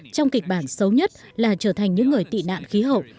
trong kịch bản xấu nhất là trở thành những người tị nạn khí hậu